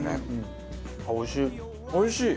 おいしい。